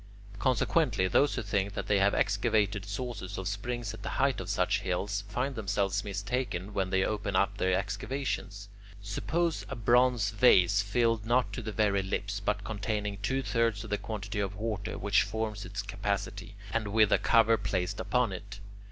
Consequently those who think that they have excavated sources of springs at the height of such hills find themselves mistaken when they open up their excavations. Suppose a bronze vase filled not to the very lips, but containing two thirds of the quantity of water which forms its capacity, and with a cover placed upon it.